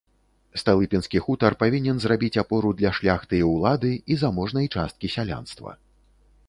Сталыпінскі хутар павінен зрабіць апору для шляхты і ўлады і заможнай часткі сялянства.